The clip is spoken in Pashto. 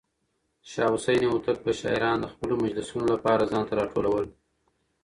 شاه حسين هوتک به شاعران د خپلو مجلسونو لپاره ځان ته راټولول.